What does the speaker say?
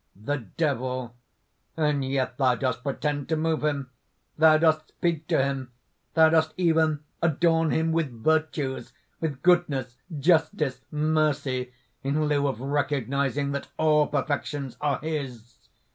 THE DEVIL. "And yet thou dost pretend to move him! Thou dost speak to him, thou dost even adorn him with virtues, with goodness, justice, mercy, in lieu of recognising that all perfections are his!